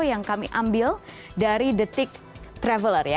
yang kami ambil dari the tick traveler